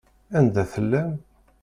Anda i tellam?